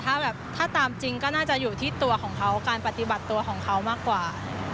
ถ้าแบบถ้าตามจริงก็น่าจะอยู่ที่ตัวของเขาการปฏิบัติตัวของเขามากกว่า